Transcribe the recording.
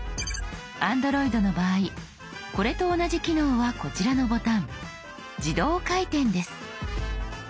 Ａｎｄｒｏｉｄの場合これと同じ機能はこちらのボタン「自動回転」です。